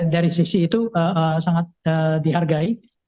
dari sisi itu sangat dihargai